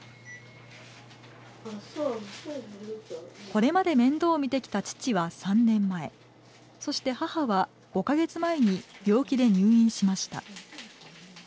これまで面倒を見てきた父は３年前そして母は５か月前に病気で入院しました。